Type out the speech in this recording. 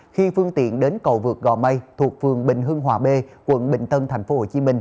khi phương tiện đến cầu vượt gò mây thuộc phường bình hưng hòa b quận bình tân tp hcm